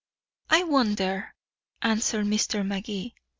"I wonder," answered Mr. Magee.